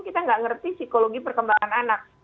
kita nggak ngerti psikologi perkembangan anak